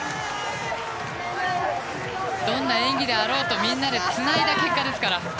どんな演技であろうとみんなでつないだ結果ですから。